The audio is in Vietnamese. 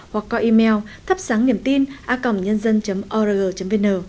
hoặc coi email thapsangniemtina org vn